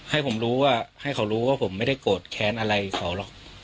ให้ผมรู้ว่าให้เขารู้ว่าผมไม่ได้โกรธแค้นอะไรเขาหรอก